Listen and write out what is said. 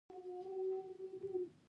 تر پخوا روحاً یو څه آرام وم.